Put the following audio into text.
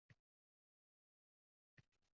Maʼrifatli ayollar ko'p